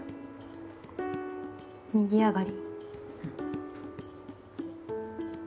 右上がり。